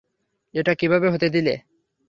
এটা কীভাবে হতে দিলে?